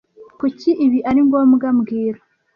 Kuki ibi ari ngombwa mbwira